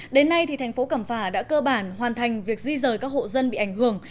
đến nay thành phố cẩm phả đã cơ bản hoàn thành việc di rời các hộ dân bị ảnh hưởng